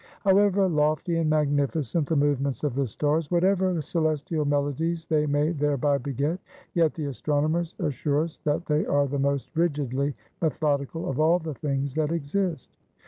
However lofty and magnificent the movements of the stars; whatever celestial melodies they may thereby beget; yet the astronomers assure us that they are the most rigidly methodical of all the things that exist.